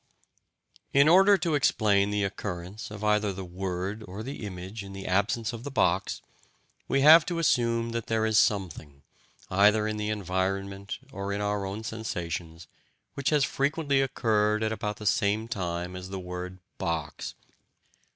In order to explain the occurrence of either the word or the image in the absence of the box, we have to assume that there is something, either in the environment or in our own sensations, which has frequently occurred at about the same time as the word "box."